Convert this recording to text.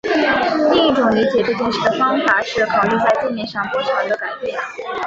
另一种理解这件事的方法是考虑在界面上波长的改变。